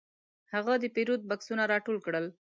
هغه د پیرود بکسونه راټول کړل.